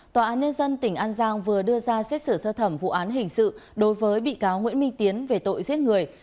tòa án nhân dân tỉnh an giang vừa đưa ra xét xử sơ thẩm vụ án hình sự đối với bị cáo nguyễn minh tiến về tội giết người